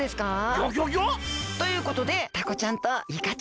ギョギョギョ？ということでタコちゃんとイカちゃんです！